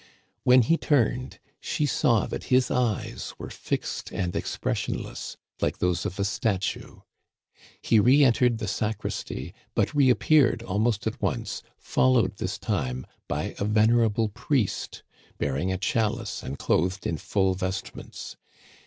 When he turned she saw that his eyes were fixed and expressionless, like those of a statue. He re entered the sacristy, but reappeared al most at once, followed this time by a venerable priest bearing a chalice and clothed in full vestments.